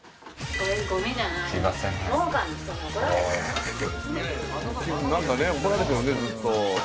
なんかね怒られてるねずっと。